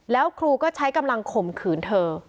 แล้วครูก็ใช้กำลังข่มขืนเธอ